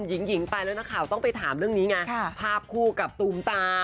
หญิงไปแล้วนักข่าวต้องไปถามเรื่องนี้ไงภาพคู่กับตูมตา